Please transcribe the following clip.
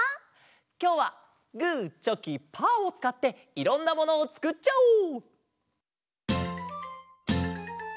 きょうはグーチョキパーをつかっていろんなものをつくっちゃおう。